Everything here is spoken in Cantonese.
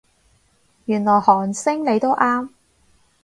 原來韓星你都啱